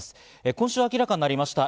今週明らかになりました。